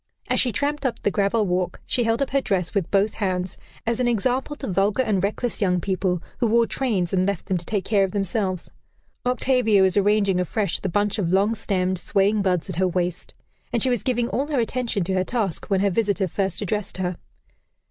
As she tramped up the gravel walk, she held up her dress with both hands, as an example to vulgar and reckless young people who wore trains and left them to take care of themselves. Octavia was arranging afresh the bunch of long stemmed, swaying buds at her waist, and she was giving all her attention to her task when her visitor first addressed her.